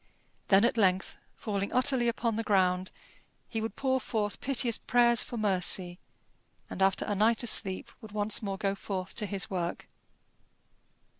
Then at length, falling utterly upon the ground, he would pour forth piteous prayers for mercy, and, after a night of sleep, would once more go forth to his work.